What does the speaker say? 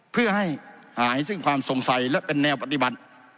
เพื่อให้หายซึ่งความสงสัยและเป็นแนวปฏิบัติ